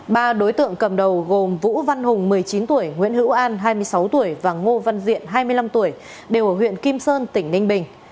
ba đối tượng cầm đầu gồm vũ văn hùng một mươi chín tuổi nguyễn hữu an hai mươi sáu tuổi và ngô văn diện hai mươi năm tuổi đều ở huyện kim sơn tỉnh ninh bình